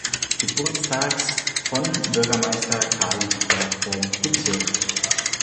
Geburtstags von Bürgermeister Karl Lueger vom Bezirk.